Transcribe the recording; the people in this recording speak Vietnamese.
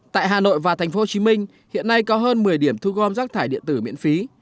tại hà nội và tp hcm hiện nay có hơn một mươi điểm thu gom rác thải điện tử miễn phí